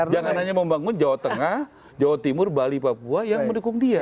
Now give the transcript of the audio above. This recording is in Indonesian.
jangan hanya membangun jawa tengah jawa timur bali papua yang mendukung dia